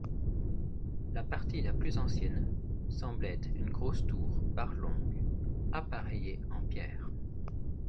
La partie la plus ancienne semble être une grosse tour barlongue, appareillée en pierres.